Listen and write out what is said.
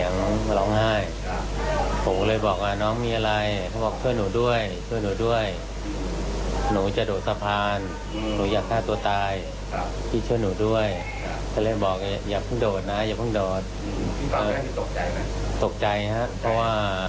น้องเขาร้องไห้อยู่ในอาการเหมือนกระโดดแล้ว